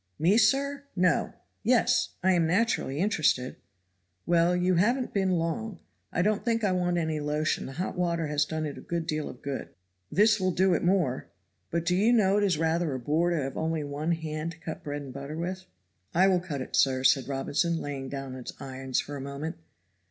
"Me, sir? No yes. I am naturally interested." "Well, you haven't been long. I don't think I want any lotion, the hot water has done it a good deal of good." "This will do it more." "But do you know it is rather a bore to have only one hand to cut bread and butter with?" "I'll cut it, sir," said Robinson, laying down his irons for a moment.